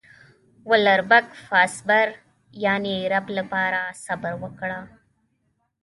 ولربک فاصبر يانې رب لپاره صبر وکړه.